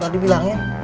udah dibilang ya